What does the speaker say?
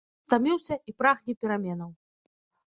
Ён стаміўся і прагне пераменаў.